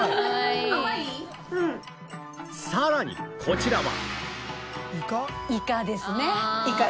さらにこちらは